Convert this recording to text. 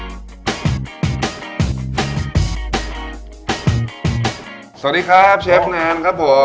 สวัสดีครับเชฟแนนครับผม